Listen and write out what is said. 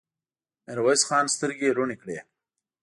ميرويس خان سترګې رڼې کړې.